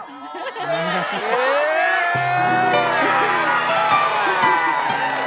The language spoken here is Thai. ในรายการร้องได้ให้ร้านลูกทุ่งสู้ชีวิต